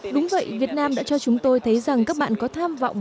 đúng vậy việt nam đã cho chúng tôi thấy rằng các bạn có tham vọng